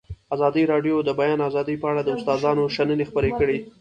ازادي راډیو د د بیان آزادي په اړه د استادانو شننې خپرې کړي.